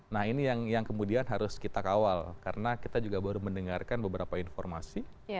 nah ini yang kemudian harus kita kawal karena kita juga baru mendengarkan beberapa informasi